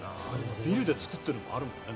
ビルで作ってるのもあるもんね。